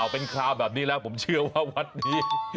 เป็นข่าวแบบนี้แล้วผมเชื่อว่าวัดนี้